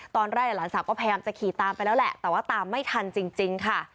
หลานสาวก็พยายามจะขี่ตามไปแล้วแหละแต่ว่าตามไม่ทันจริงค่ะ